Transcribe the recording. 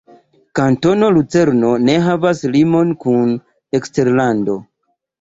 Kantono Lucerno ne havas limon kun eksterlando.